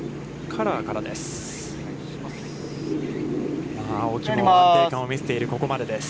カラーからです。